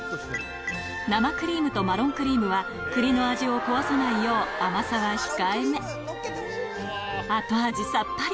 生クリームとマロンクリームは栗の味を壊さないよう甘さは控えめ後味さっぱり！